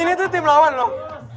ini tuh tim lawan loh